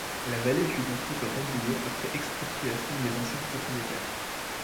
La vallée fut ensuite remblayée après expropriations des anciens propriétaires.